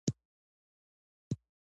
د څارویو ځورول منع دي.